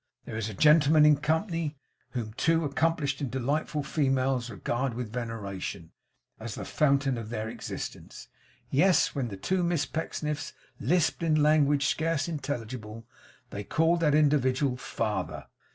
There is a gentleman in company whom two accomplished and delightful females regard with veneration, as the fountain of their existence. Yes, when yet the two Miss Pecksniffs lisped in language scarce intelligible, they called that individual 'Father!